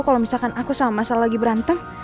kalau misalkan aku sama masa lagi berantem